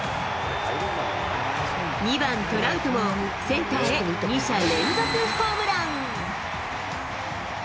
２番トラウトもセンターへ２者連続ホームラン。